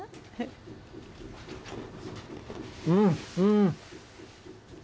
うん、うん。